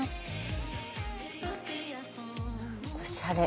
おしゃれ。